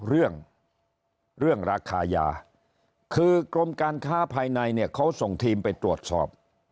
เรื่องเรื่องราคายาคือกรมการค้าภายในเนี่ยเขาส่งทีมไปตรวจสอบ